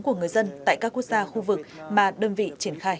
của người dân tại các quốc gia khu vực mà đơn vị triển khai